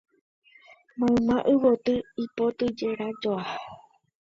mayma yvoty ipotyjerajoa